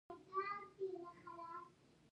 ډاکټر وويل چې پنځلس زره روپۍ يې د اپرېشن خرچه کيږي.